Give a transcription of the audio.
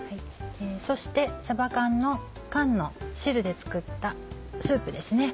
そしてさば缶の缶の汁で作ったスープですね。